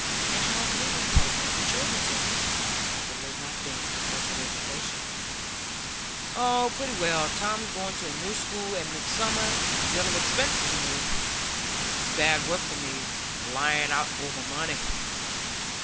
"And how's Mrs Tulliver and the children?" said Mrs Moss, humbly, not daring to press her invitation. "Oh, pretty well. Tom's going to a new school at Midsummer,—a deal of expense to me. It's bad work for me, lying out o' my money."